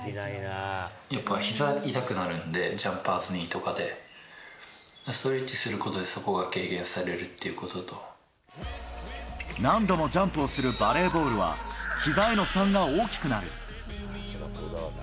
やっぱひざ痛くなるんで、ジャンパーズニーとかで、ストレッチすることで、そこが軽減され何度もジャンプをするバレーボールは、ひざへの負担が大きくなる。